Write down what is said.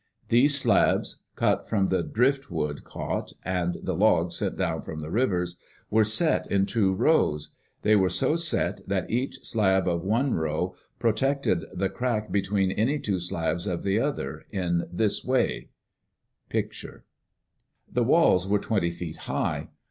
These slabs, cut from the driftwood caught, and the logs sent down the rivers, were set in two rows. They were so set that each slab of one row protected the cra(^ between any two slabs of the other row, in this way: The walls were twenty feet high.